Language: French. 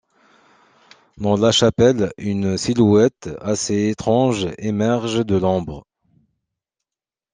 Dans la chapelle, une silhouette assez étrange émerge de l'ombre.